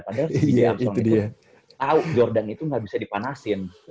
padahal bj armstrong itu tau jordan itu nggak bisa dipanasin